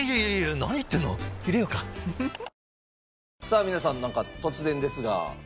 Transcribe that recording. さあ皆さんなんか突然ですが。